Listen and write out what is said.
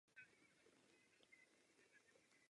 Pilotní kabina je posunuta dopředu a má zaoblený tvar.